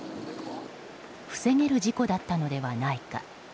防げる事故だったのではないか。